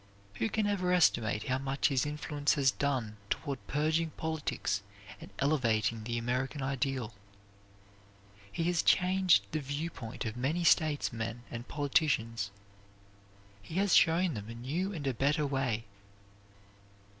Who can ever estimate how much his influence has done toward purging politics and elevating the American ideal. He has changed the view point of many statesmen and politicians. He has shown them a new and a better way.